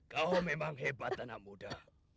kau memang hebat anak muda